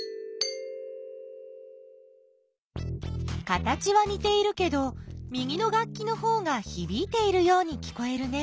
形はにているけど右の楽器のほうがひびいているように聞こえるね。